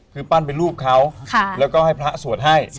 คือปั้นเป็นรูปเขาแล้วก็ให้พระสวดให้